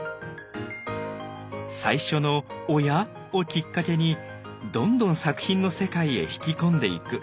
最初の「おや？」をきっかけにどんどん作品の世界へ引き込んでいく。